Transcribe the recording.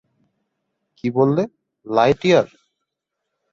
কী বললে, লাইটইয়ার?